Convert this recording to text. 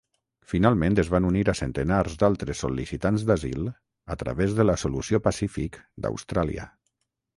Finalment es van unir a centenars d'altres sol·licitants d'asil a través de la "Solució Pacífic" d'Austràlia".